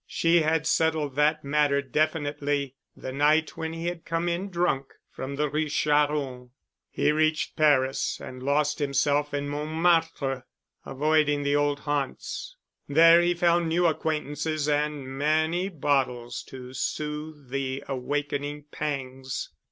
She had settled that matter definitely the night when he had come in drunk from the Rue Charron. He reached Paris and lost himself in Montmartre, avoiding the old haunts. There he found new acquaintances and many bottles to soothe the awakening pangs.